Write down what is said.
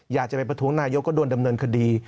อยากจะไปประท้วงนายกก็โดนดำเนินคดี